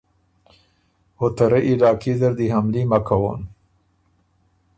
او ته رئ علاقي زر دی حملي مک کوون۔